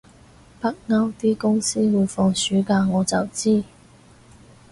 北歐啲公司會放暑假我就知